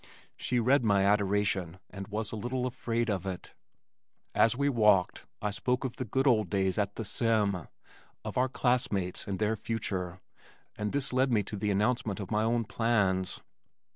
She read my adoration and was a little afraid of it. As we walked, I spoke of the good days at "the Sem," of our classmates, and their future, and this led me to the announcement of my own plans.